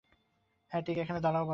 হ্যাঁ, ঠিক এখানে দাঁড়াও বাবা।